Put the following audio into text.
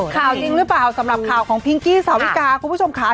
จริงหรือเปล่าสำหรับข่าวของพิงกี้สาวิกาคุณผู้ชมค่ะ